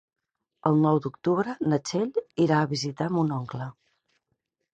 El nou d'octubre na Txell irà a visitar mon oncle.